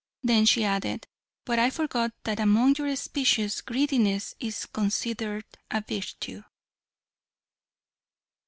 Then she added, "but I forgot that among your species greediness is considered a virtue."